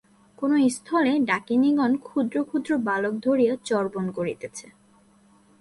কোন স্থলে ডাকিনীগণ ক্ষুদ্র ক্ষুদ্র বালক ধরিয়া চর্বণ করিতেছে।